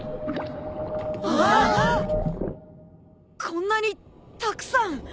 こんなにたくさん！